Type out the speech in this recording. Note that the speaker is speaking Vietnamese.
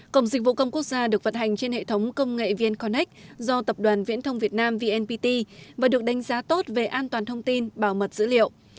cổng dịch vụ công quốc gia được vận hành trên hệ thống công nghệ vnconnect do tập đoàn viễn thông việt nam vnpt và được đánh giá tốt về an toàn thông tin bảo mật dữ liệu